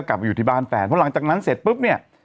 กลับไปอยู่ที่บ้านแฟนเพราะหลังจากนั้นเสร็จปุ๊บเนี่ย